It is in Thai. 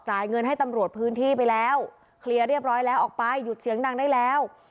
เงินให้ตำรวจพื้นที่ไปแล้วเคลียร์เรียบร้อยแล้วออกไปหยุดเสียงดังได้แล้ว